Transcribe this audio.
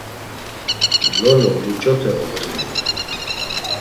Lolo muç̌ote oğuriney?